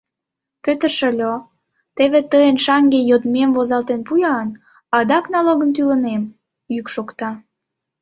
— Пӧтыр шольо, теве тыйын шаҥге йодмем возалтен пу-ян, адак налогым тӱлынем, — йӱк шокта.